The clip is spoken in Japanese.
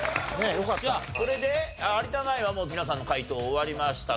これで有田ナインはもう皆さんの解答終わりました。